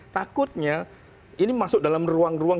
takutnya ini masuk dalam ruang ruang